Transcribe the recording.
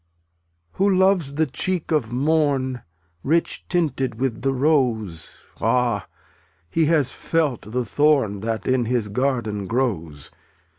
288 Who loves the cheek of Morn Rich tinted with the rose, Ah, he has felt the thorn That in his garden grows.